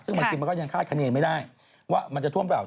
ซึ่งจริงมันก็ยังคาดคะเงียนไม่ได้ว่ามันจะท่วมเปล่า